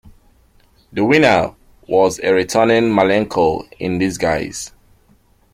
The winner was a returning Malenko in disguise.